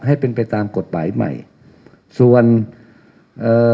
ให้เป็นไปตามกฎหมายใหม่ส่วนเอ่อ